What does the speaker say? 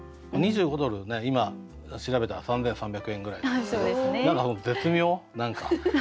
２５ドルを今調べたら３，３００円ぐらいなんですけど何か絶妙何か。